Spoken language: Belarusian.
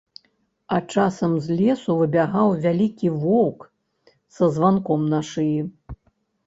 А часам з лесу выбягаў вялікі воўк са званком на шыі.